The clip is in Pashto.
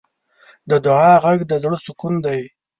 د دعا غږ د زړۀ سکون دی.